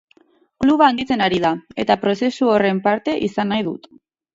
Kluba handitzen ari da, eta prozesu horren parte izan nahi dut.